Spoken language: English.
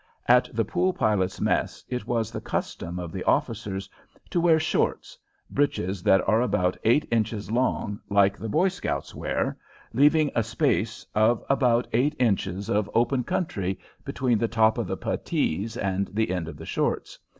At the Pool Pilots' Mess it was the custom of the officers to wear "shorts" breeches that are about eight inches long, like the Boy Scouts wear, leaving a space of about eight inches of open country between the top of the puttees and the end of the "shorts."